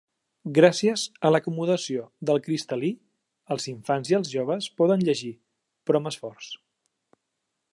Gràcies a l'acomodació del cristal·lí els infants i els joves poden llegir, però amb esforç.